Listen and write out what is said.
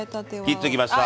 切っときました！